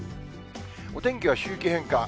お天気は周期変化。